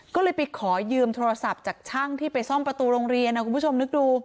ก็เลยไปขอยืมโทรศัพท์จากช่างที่ไปซ่อมประตูโรงเรียนคุณผู้ชมนึกดู